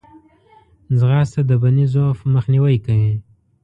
ځغاسته د بدني ضعف مخنیوی کوي